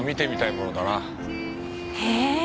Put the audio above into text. へえ！